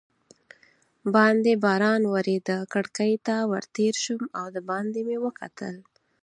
باندې باران ورېده، کړکۍ ته ور تېر شوم او دباندې مې وکتل.